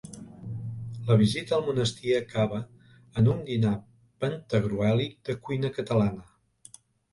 La visita al monestir acaba en un dinar pantagruèlic de cuina catalana.